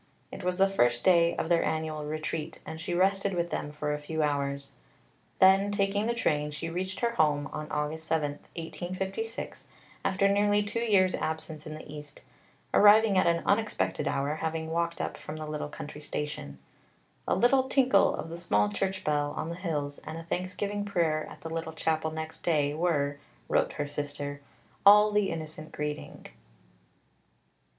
It was the first day of their annual Retreat, and she rested with them for a few hours. Then, taking the train, she reached her home on August 7, 1856, after nearly two years' absence in the East, arriving at an unexpected hour, having walked up from the little country station. "A little tinkle of the small church bell on the hills, and a thanksgiving prayer at the little chapel next day, were," wrote her sister, "all the innocent greeting."